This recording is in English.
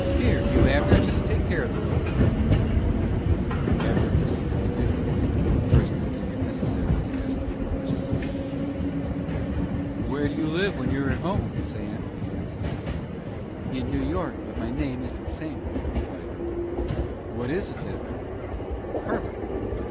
"Here, you Abner, just take care of the little boy." Abner proceeded to do this, first thinking it necessary to ask a few questions. "Where do you live when you're at home, Sam?" he asked. "In New York; but my name isn't Sam," replied Herbert. "What is it, then?" "Herbert."